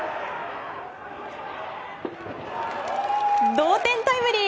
同点タイムリー！